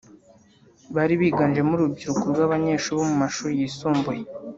bari biganjemo urubyiruko rw’abanyeshuri bo mu mashuri yisumbuye